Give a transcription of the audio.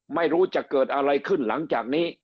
ไม่รู้จะเกิดอะไรขึ้นหลังจากนี้